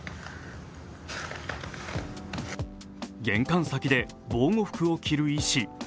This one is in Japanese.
玄関先で防護服を着る医師。